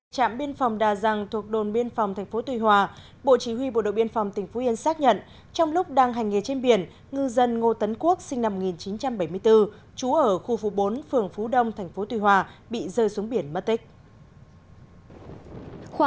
trạm biên phòng đà giang thuộc đồn biên phòng tp tuy hòa bộ chỉ huy bộ đội biên phòng tỉnh phú yên xác nhận trong lúc đang hành nghề trên biển ngư dân ngô tấn quốc sinh năm một nghìn chín trăm bảy mươi bốn trú ở khu phố bốn phường phú đông tp tuy hòa bị rơi xuống biển mất tích